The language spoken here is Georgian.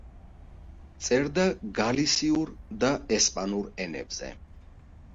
წერდა გალისიურ და ესპანურ ენებზე.